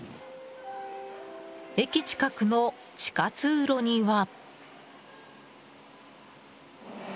駅近くの地下通路には。